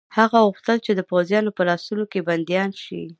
هغه غوښتل چې د پوځیانو په لاسونو کې بندیان شي.